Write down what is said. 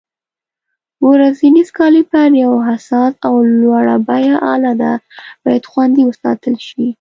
ورنیر کالیپر یو حساس او لوړه بیه آله ده، باید خوندي وساتل شي.